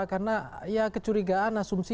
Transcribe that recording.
karena kecurigaan asumsi